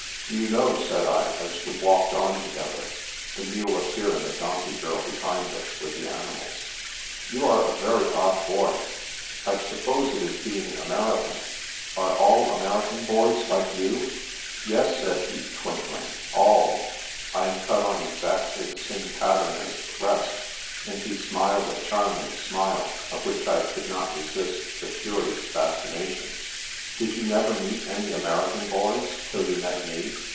"Do you know," said I, as we walked on to gether, the muleteer and the donkey girl behind us, with the animals, " you are a very odd boy. I sup pose it is being American. Are all American boys like you ?"" Yes," said he, twinkling, " all. I am cut on exactly the same pattern as the rest," and he smiled a charming smile, of which I could not resist the curious fascination. " Did you never meet any American boys, till you met me?